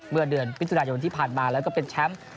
เมื่อเดือนมิถุนายนที่ผ่านมาแล้วก็เป็นแชมป์